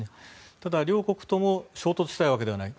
ただ、両国とも衝突したいわけではない。